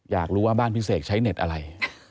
อยากรู้ว่าบ้านพี่เสกใช้เน็ตอะไร